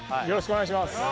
よろしくお願いします